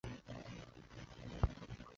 腮腺炎发炎的疾病。